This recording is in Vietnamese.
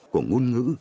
của ngôn ngữ